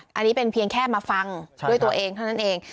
อันนี้เป็นเพียงแค่มาฟังด้วยตัวเองเท่านั้นเอง